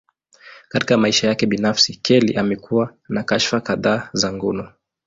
Katika maisha yake binafsi, Kelly amekuwa na kashfa kadhaa za ngono.